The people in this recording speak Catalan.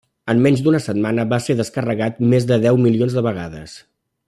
En menys d'una setmana va ser descarregat més de deu milions de vegades.